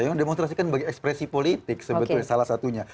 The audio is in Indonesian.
yang dimonstrasikan sebagai ekspresi politik sebetulnya salah satunya